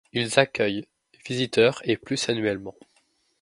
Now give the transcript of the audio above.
Ils accueillent visiteurs et plus annuellement.